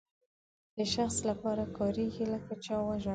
د شخص لپاره کاریږي لکه چا وژړل.